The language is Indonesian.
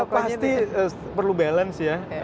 pasti perlu balance ya